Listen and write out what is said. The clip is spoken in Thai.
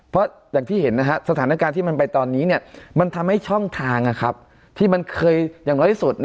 เพราะอย่างที่เห็นสถานการณ์ที่มันไปตอนนี้มันทำให้ช่องทางที่มันเคยอย่างน้อยสุด